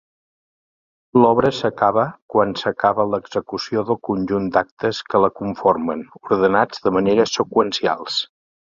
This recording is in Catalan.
L'obra s'acaba quan s'acaba l'execució del conjunt d'actes que la conformen, ordenats de manera seqüencial.